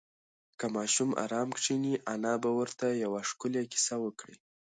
که ماشوم ارام کښېني، انا به ورته یوه ښکلې کیسه وکړي.